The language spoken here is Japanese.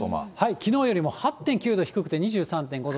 きのうよりも８．９度低くて２３．５度。